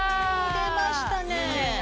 出ましたね。